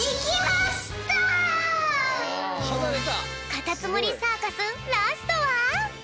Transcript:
カタツムリサーカスラストは！